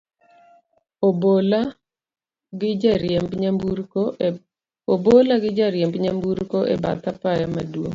obola gi jariemb nyamburko, e bath apaya maduong